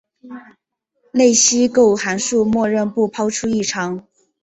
类析构函数默认不抛出异常。